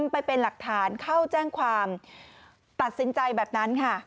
ไปเป็นหลักฐานเข้าแจ้งความตัดสินใจแบบนั้นค่ะ